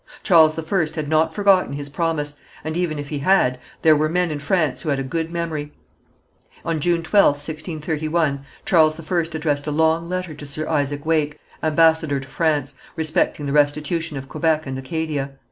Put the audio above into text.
Charles I had not forgotten his promise, and even if he had, there were men in France who had a good memory. On June 12th, 1631, Charles I addressed a long letter to Sir Isaac Wake, ambassador to France, respecting the restitution of Quebec and Acadia.